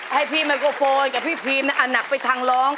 ให้พี่ไมโครโฟนกับพี่พีมหนักไปทางร้อง